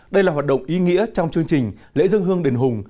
đây là hoạt động ý nghĩa trong chương trình lễ dân hương đền hùng